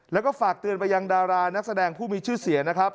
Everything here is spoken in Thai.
แล้วก็ฝากเตือนไปยังดารานักแสดงผู้มีชื่อเสียนะครับ